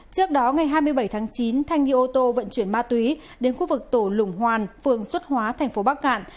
trước đó ngày hai mươi bảy tháng chín thanh đi ô tô vận chuyển ma túy đến khu vực tổ lùng hoàn phường xuất hóa thành phố bắc cạn